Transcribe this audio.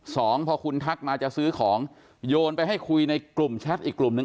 สองพอคุณทักมาจะซื้อของโยนไปให้คุยในกลุ่มแชทอีกกลุ่มหนึ่ง